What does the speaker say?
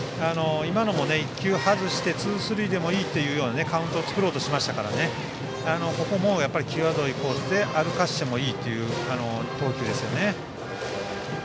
今のも１球外してツースリーでもいいというカウントを作ろうとしましたからここも際どいコースで歩かせてもいいという投球ですね。